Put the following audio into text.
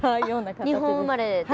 あっ日本生まれで。